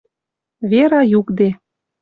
Вера юкде